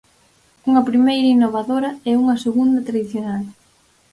Unha primeira, innovadora, e unha segunda, tradicional.